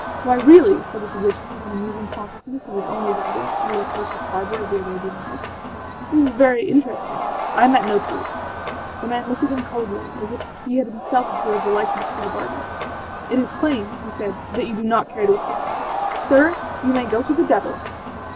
â âWhy, really,â said the physician, with an amusing consciousness of his own resemblance to the loquacious barber of the Arabian Nights, âthis is very interesting. I met no troops.â The man looked at him coldly, as if he had himself observed the likeness to the barber. âIt is plain,â he said, âthat you do not care to assist me. Sir, you may go to the devil!